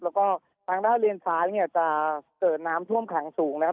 แล้วก็ทางด้านเลนซ้ายเนี่ยจะเกิดน้ำท่วมขังสูงนะครับ